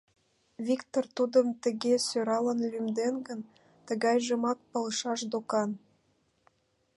— Виктыр тудым тыге сӧралын лӱмден гын, тыгайжымак палышаш докан.